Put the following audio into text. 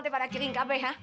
tidak ada yang kering kabeh